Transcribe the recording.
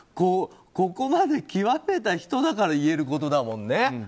ここまで極めた人だから言えることだもんね。